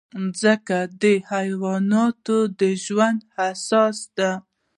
مځکه د حیواناتو د ژوند اساس ده.